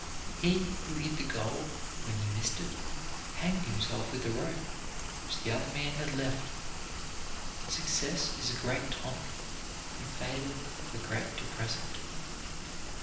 He who hid the gold, when he missed it, hanged himself with the rope which the other man had left. Success is a great tonic, and failure a great depressant.